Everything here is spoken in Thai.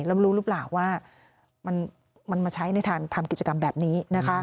แล้วรู้หรือเปล่าว่ามันมาใช้ในทางทำกิจกรรมแบบนี้นะคะ